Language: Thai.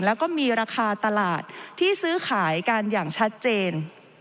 แล้วก็มีราคาตลาดที่ซื้อขายกันอย่างชัดเจน